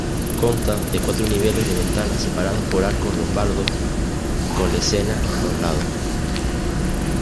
Consta de cuatro niveles de ventanas separados por arcos lombardos con lesenas los lados.